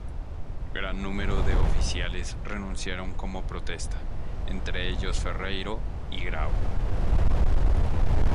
Gran número de oficiales renunciaron como protesta, entre ellos Ferreyros y Grau.